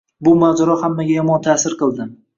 Bu mojaro hammaga yomon ta`sir qildi